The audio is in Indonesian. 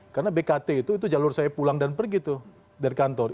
karena bkt itu jalur saya pulang dan pergi tuh dari kantor